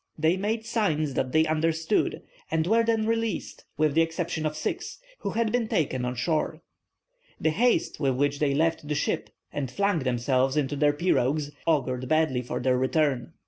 They made signs that they understood, and were then released, with the exception of six, who had been taken on shore. The haste with which they left the ship, and flung themselves into their pirogues, augured badly for their return.